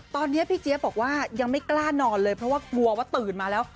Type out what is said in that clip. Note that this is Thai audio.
ตอนนี้พี่เจี๊ยบบอกว่ายังไม่กล้านอนเลยเพราะว่ากลัวว่าตื่นมาแล้ว